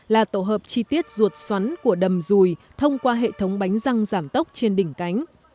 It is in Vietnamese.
là tổ hợp chi tiết ruột xoắn của đầm dùi thông qua hệ thống bánh răng giảm tốc trên đỉnh cánh